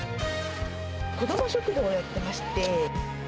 子ども食堂をやってまして。